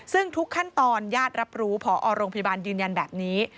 ซึ่งทุกขั้นตอนญาติรับรู้พอโรงพยาบาลยืนยันแบบนี้